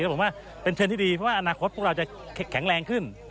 ผมว่าเป็นเทรนด์ที่ดีเพราะว่าอนาคตพวกเราจะแข็งแรงขึ้น